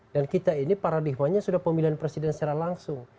dan kita ini paradigmanya sudah pemilihan presiden secara langsung